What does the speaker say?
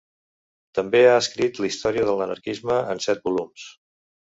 També ha escrit la Història de l'anarquisme en set volums.